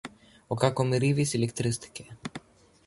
Ο Κακομοιρίδης ηλεκτρίστηκε.